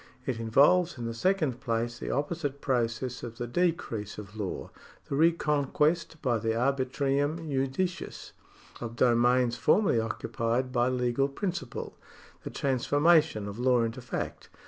It involves in the second place the opposite process of the decrease of law — the reconquest by the arbitrium judicis of domains formerly occupied by legal principle — the transformation of law into fact.